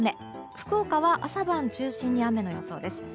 福岡は朝晩中心に雨の予想です。